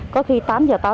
có khi tám giờ tối